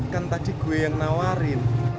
kan tajik gue yang nawarin